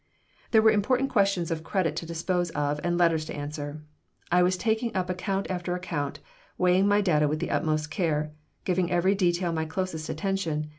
There were important questions of credit to dispose of and letters to answer. I was taking up account after account, weighing my data with the utmost care, giving every detail my closest attention.